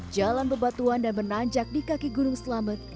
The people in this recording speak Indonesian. jalan bebatuan dan menanjak di kaki gunung selamet